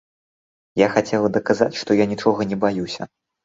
Я хацела даказаць, што я нічога не баюся.